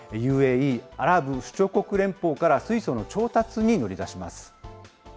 ＵＡＥ・アラブ首長国連邦から水素の調達に乗り出します。